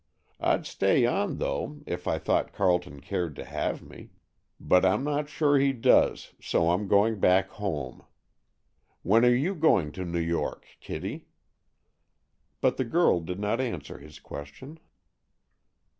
I'd stay on, though, if I thought Carleton cared to have me. But I'm not sure he does, so I'm going back home. When are you going to New York, Kitty?" But the girl did not answer his question.